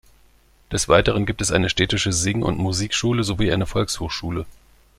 Des Weiteren gibt es eine städtische Sing- und Musikschule sowie eine Volkshochschule.